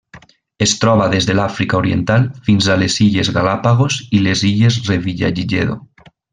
Es troba des de l'Àfrica Oriental fins a les Illes Galápagos i les Illes Revillagigedo.